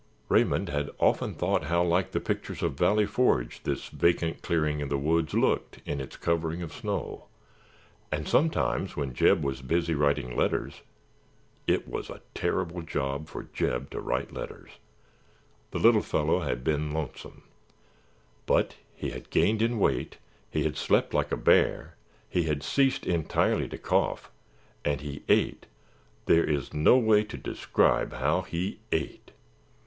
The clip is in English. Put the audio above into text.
Raymond had often thought how like the pictures of Valley Forge this vacant clearing in the woods looked in its covering of snow, and sometimes when Jeb was busy writing letters (it was a terrible job for Jeb to write letters) the little fellow had been lonesome, but he had gained in weight, he had slept like a bear, he had ceased entirely to cough, and he ate—there is no way to describe how he ate!